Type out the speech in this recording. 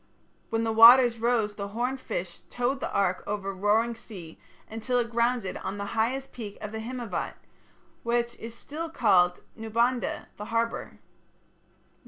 When the waters rose the horned fish towed the ark over the roaring sea, until it grounded on the highest peak of the Himavat, which is still called Naubandha (the harbour).